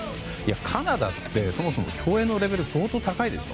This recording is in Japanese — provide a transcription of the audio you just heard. カナダってそもそも競泳のレベル、相当高いでしょ。